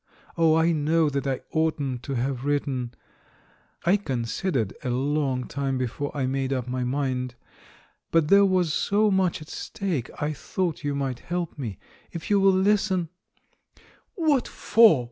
Oh, I know that I oughtn't to have written ! I considered a long time before I made up my mind. But there was so much at stake, I thought you might help me. If you will listen " "What for?"